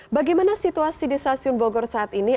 bagaimana situasi di stasiun bogor saat ini